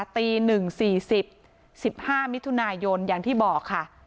ตีหนึ่งสี่สิบสิบห้ามิถุนายนอย่างที่บอกค่ะ